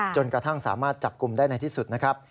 จนกระทั่งสามารถจับกลุ่มได้ในที่สุดนะครับ